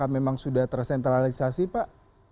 memang sudah tersentralisasi pak